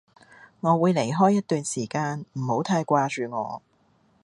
我會離開一段時間，唔好太掛住我